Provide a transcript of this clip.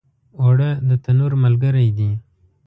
اوړه د تنور ملګری دي